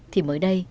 thì mới đây